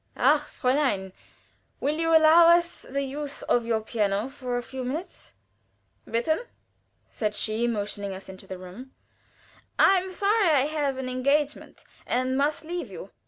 "Ach, Fräulein! will you allow us the use of your piano for a few minutes?" "Bitte!" said she, motioning us into the room. "I am sorry I have an engagement, and must leave you."